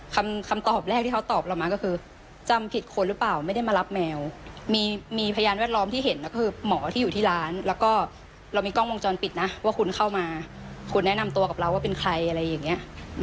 คำตอบแรกที่เขาตอบเรามาก็คือจำผิดคนหรือเปล่าไม่ได้มารับแมวมีพยานแวดล้อมที่เห็นก็คือหมอที่อยู่ที่ร้านแล้วก็เรามีกล้องวงจรปิดนะว่าคุณเข้ามาคุณแนะนำตัวกับเราว่าเป็นใครอะไรอย่างนี้